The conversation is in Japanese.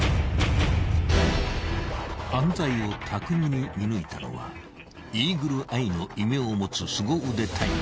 ［犯罪を巧みに見抜いたのはイーグルアイの異名を持つすご腕隊員］